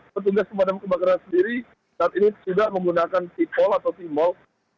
petugas pemadaman kebakaran sendiri saat ini sudah menggunakan pipol atau timol